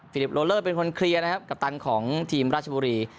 ลิปโลเลอร์เป็นคนเคลียร์นะครับกัปตันของทีมราชบุรี